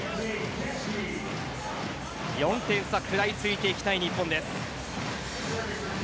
４点差くらいついていきたい日本です。